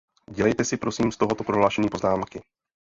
Dělejte si prosím z tohoto prohlášení poznámky.